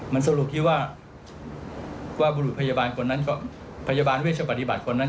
มันสรุปที่ว่าบุหรุทธพยาบาลเวชปฏิบัติคนนั้น